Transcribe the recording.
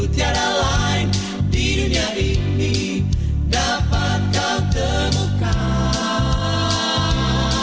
cara lain di dunia ini dapat kau temukan